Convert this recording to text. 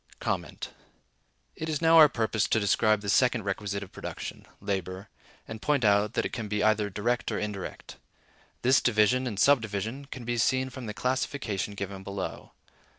It is now our purpose to describe the second requisite of production, labor, and point out that it can be either direct or indirect. This division and subdivision can be seen from the classification given below.